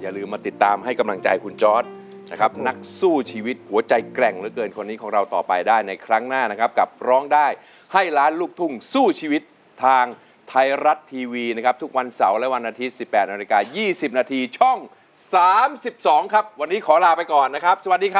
อย่าลืมมาติดตามให้กำลังใจคุณจอร์ดนะครับนักสู้ชีวิตหัวใจแกร่งเหลือเกินคนนี้ของเราต่อไปได้ในครั้งหน้านะครับกับร้องได้ให้ล้านลูกทุ่งสู้ชีวิตทางไทยรัฐทีวีนะครับทุกวันเสาร์และวันอาทิตย์๑๘นาฬิกา๒๐นาทีช่อง๓๒ครับวันนี้ขอลาไปก่อนนะครับสวัสดีครับ